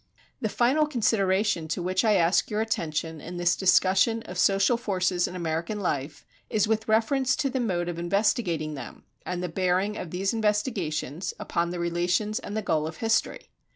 The final consideration to which I ask your attention in this discussion of social forces in American life, is with reference to the mode of investigating them and the bearing of these investigations upon the relations and the goal of history.